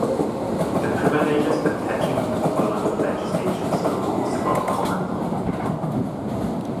The privileges attaching to colonial legislatures arose from common law.